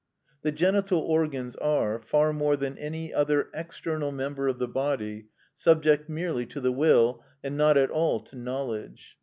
The genital organs are, far more than any other external member of the body, subject merely to the will, and not at all to knowledge.